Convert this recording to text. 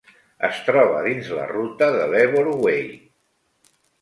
Es troba dins la ruta de l'Ebor Way.